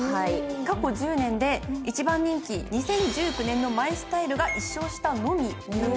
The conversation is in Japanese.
過去１０年で１番人気２０１９年のマイスタイルが１勝したのみなんですね。